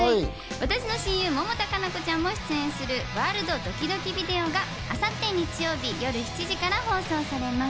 私の親友・百田夏菜子ちゃんも出演する『ワールドドキドキビデオ』が明後日日曜日夜７時から放送されます。